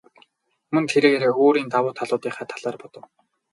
Мөн тэрээр өөрийн давуу талуудынхаа талаар бодов.